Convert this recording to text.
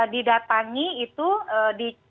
didatangi itu di